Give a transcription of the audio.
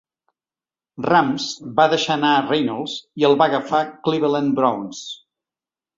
Rams va deixar anar Reynolds i el va agafar Cleveland Browns.